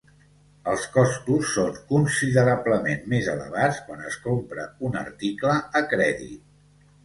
Els costos són considerablement més elevats quan es compra un article a crèdit.